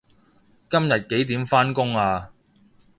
今日幾點返工啊